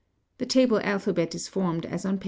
The table alphabet is formed as on p.